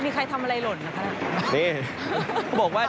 มีใครทำอะไรหล่นนะครับ